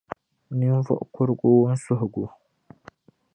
Ninvuɣ’ kurigu Wunsuhigu.